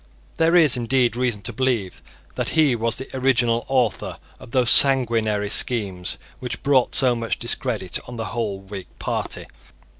There is, indeed, reason to believe that he was the original author of those sanguinary schemes which brought so much discredit on the whole Whig party.